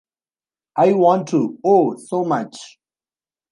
I want to, oh, so much!